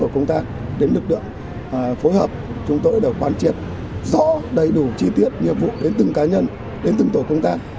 các đơn vị đã phân công kỹ đủ chi tiết nhiệm vụ đến từng cá nhân đến từng tổ công tác